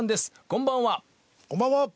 こんばんは。